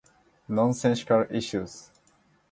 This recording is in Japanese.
Nonsensical issues.